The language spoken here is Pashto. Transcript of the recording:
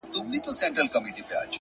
لیوني ته گورئ; چي ور ځغلي وه سره اور ته;